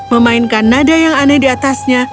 memainkan nada yang aneh di atasnya